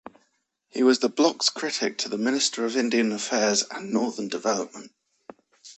He was the "Bloc's" critic to the Minister of Indian Affairs and Northern Development.